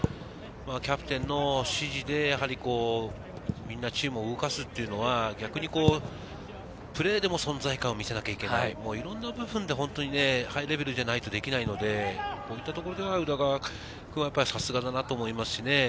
キャプテンの指示でみんなチームを動かすというのは逆にプレーでも存在感を見せなきゃいけない、いろんな部分でハイレベルじゃないとできないので宇田川君はさすがだなと思いますしね。